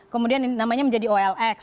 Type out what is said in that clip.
kemudian namanya menjadi olx